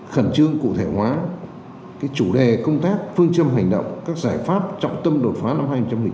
khẩn trương cụ thể hóa chủ đề công tác phương châm hành động các giải pháp trọng tâm đột phá năm hai nghìn một mươi chín